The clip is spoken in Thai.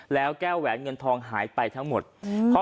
แล้วแก้วแหวนเงินทองหายไปทั้งหมดอืม